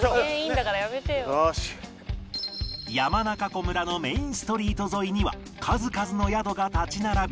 山中湖村のメインストリート沿いには数々の宿が立ち並び